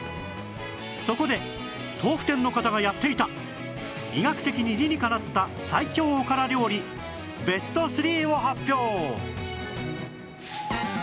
そこで豆腐店の方がやっていた医学的に理にかなった最強おから料理ベスト３を発表！